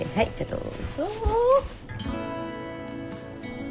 どう？